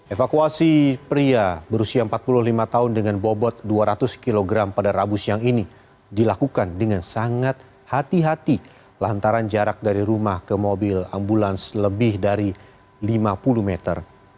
evakuasi pria berusia empat puluh lima tahun dengan bobot dua ratus kg pada rabu siang ini dilakukan dengan sangat hati hati lantaran jarak dari rumah ke mobil ambulans lebih dari lima puluh meter